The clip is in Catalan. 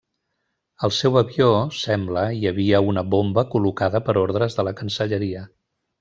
Al seu avió, sembla, hi havia una bomba col·locada per ordres de la Cancelleria.